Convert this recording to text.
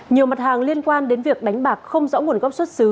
nhiều mặt hàng liên quan đến việc đánh bạc không rõ nguồn gốc xuất xứ